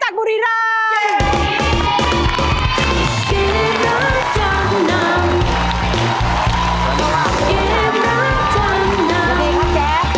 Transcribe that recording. สวัสดีครับแจ๊ค